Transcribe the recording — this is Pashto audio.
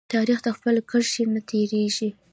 تاریخ د خپل کرښې نه تیریږي.